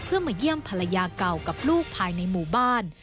เพื่อมาเยี่ยมภรรยาเก่ากับลูกภายในหมู่บ้าน